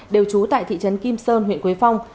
đều trú tại thị trấn kim sơn huyện quế phong